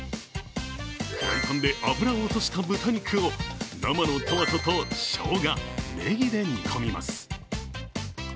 フライパンで油を落とした豚肉を生のトマトとしょうが、ねぎで煮込みます。